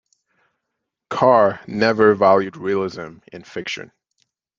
Carr never valued realism in fiction.